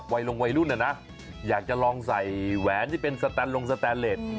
ลงวัยรุ่นน่ะนะอยากจะลองใส่แหวนที่เป็นสแตนลงสแตนเลส